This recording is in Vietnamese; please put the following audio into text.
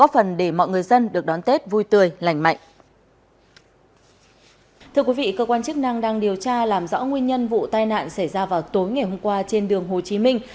vụ tai nạn xảy ra vào tối ngày hôm qua trên đường hồ chí minh